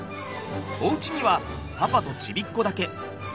おうちにはパパとちびっこだけ。